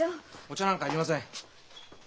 お茶なんか要りません。